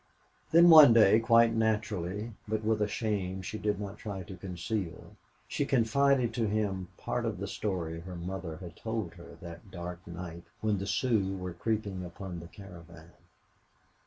Then, one day, quite naturally, but with a shame she did not try to conceal, she confided to him part of the story her mother had told her that dark night when the Sioux were creeping upon the caravan.